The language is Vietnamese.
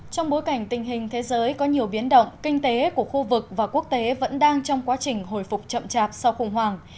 trong bối cảnh tình hình thế giới có nhiều biến động kinh tế của khu vực và quốc tế vẫn đang trong quá trình hồi phục chậm chạp sau khủng hoảng